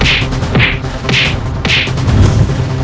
saya setuju kesana